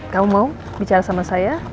kamu mau bicara sama saya